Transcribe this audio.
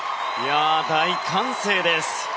大歓声です。